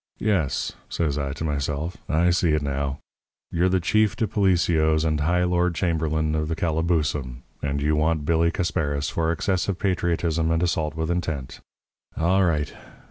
"'Yes,' says I to myself, 'I see it now. You're the Chief de Policeos and High Lord Chamberlain of the Calaboosum; and you want Billy Casparis for excess of patriotism and assault with intent. All right.